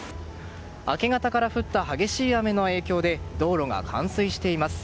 明け方から降った激しい雨の影響で道路が冠水しています。